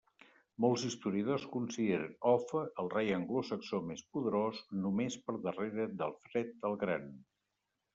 Molts historiadors consideren Offa el rei anglosaxó més poderós, només per darrere d'Alfred el Gran.